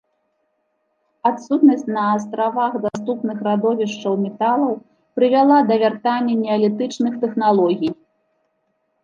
Адсутнасць на астравах даступных радовішчаў металаў прывяла да вяртання неалітычных тэхналогій.